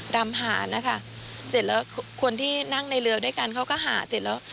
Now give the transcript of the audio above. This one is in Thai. ดำหานะคะเสร็จแล้วคนที่นั่งในเรือด้วยกันเขาก็หาเสร็จแล้ว